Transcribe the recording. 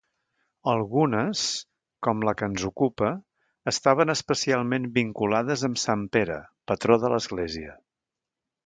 Algunes, com la que ens ocupa, estaven especialment vinculades amb sant Pere, patró de l'església.